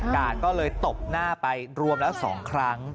กาดก็เลยตบหน้าไปรวมแล้ว๒ครั้ง